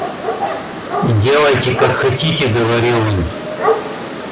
Делайте, как хотите, — говорил он.